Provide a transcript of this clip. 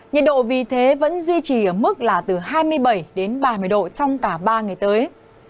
nhiệt độ vì thế vẫn duy trì ở mức là từ hai mươi bảy đến ba mươi độ trong cả ba ngày tới